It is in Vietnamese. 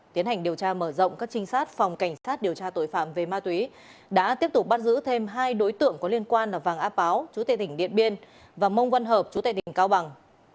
tiến hành điều tra mở rộng các trinh sát phòng cảnh sát điều tra tội phạm về ma túy đã tiếp tục bắt giữ thêm hai đối tượng có liên quan là vàng áo chú tệ tỉnh điện biên và mông văn hợp chú tệ tỉnh cao bằng